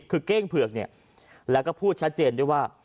คือเก้งเผือกเนี่ยแล้วก็พูดชัดเจนด้วยว่า